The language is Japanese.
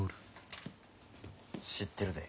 知ってるで。